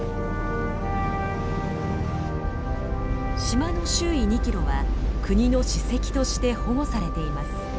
島の周囲２キロは国の史跡として保護されています。